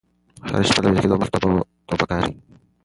هره شپه له ویده کېدو مخکې توبه وباسئ.